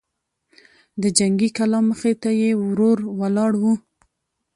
د جنګي کلا مخې ته يې ورور ولاړ و.